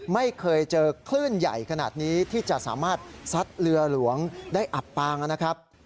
ไม่เคยเจอคลื่นใหญ่ขนาดนี้ที่จะสามารถซัดเรือหลวงได้อับปางนะครับ